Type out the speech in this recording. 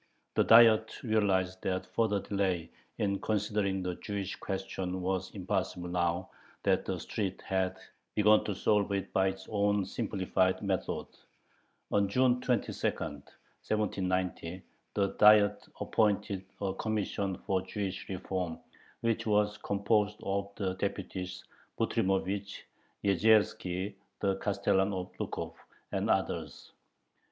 The Diet realized that further delay in considering the Jewish question was impossible now that the street had begun to solve it by its own simplified methods. On June 22, 1790, the Diet appointed a "Commission for Jewish Reform," which was composed of the deputies Butrymovich, Yezierski, the Castellan of Lukov, and others.